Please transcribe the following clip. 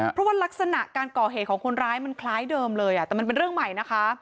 เพราะว่ารักษณะการก่อเหตุของคนร้ายมันคล้ายเดิมเลยแต่มันเป็นเรื่องใหม่นะคะ